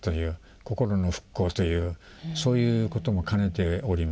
心の復興というそういうことも兼ねております。